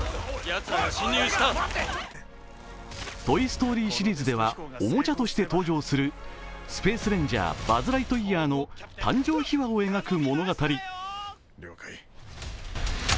「トイ・ストーリー」シリーズではおもちゃとして登場するスペート・レンジャー「バズ・ライトイヤー」の誕生秘話を描く物語。